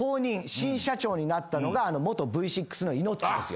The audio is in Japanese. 新社長になったのが元Ｖ６のイノッチですよ。